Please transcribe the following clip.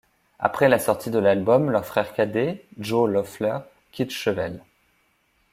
Après la sortie de l'album, leur frère cadet, Joe Loeffler, quitte Chevelle.